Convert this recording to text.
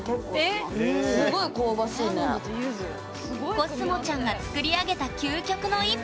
こすもちゃんが作り上げた究極の一杯。